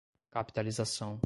capitalização